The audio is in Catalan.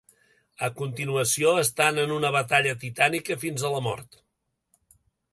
A continuació, estan en una batalla titànica fins a la mort.